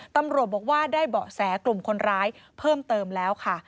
ตำรวจบอกว่าได้เบาะแสกลุ่มคนร้ายเพิ่มเติมแล้วค่ะ